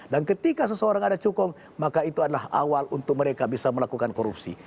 dan ketika seseorang ada cukong maka itu adalah awal untuk mereka bisa melakukan korupsi